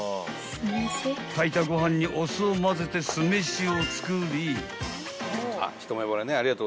［炊いたご飯にお酢を混ぜて酢飯を作り］